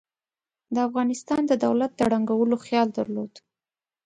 د افغانستان د دولت د ړنګولو خیال درلود.